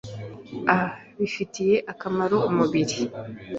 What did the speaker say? a bifitiye akamaro umubiri.